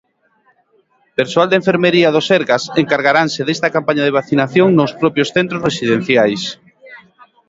Persoal de enfermería do Sergas encargaranse desta campaña de vacinación nos propios centros residenciais.